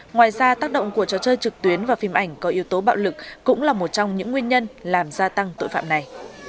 ngoài ra tác động của trò chơi trực tuyến và phim ảnh có yếu tố bạo lực cũng là một trong những nguyên nhân làm gia tăng tội phạm này